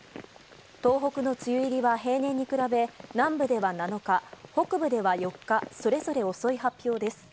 東北の梅雨入りは平年に比べ、南部では７日、北部では４日、それぞれ遅い発表です。